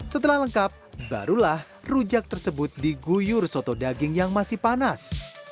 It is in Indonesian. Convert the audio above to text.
setelah lengkap barulah rujak tersebut diguyur soto daging yang masih panas